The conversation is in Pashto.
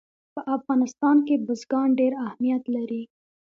په افغانستان کې بزګان ډېر اهمیت لري.